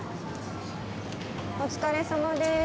お疲れさまです。